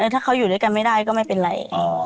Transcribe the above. ถ้าเขาอยู่ด้วยกันไม่ได้ก็ไม่เป็นไร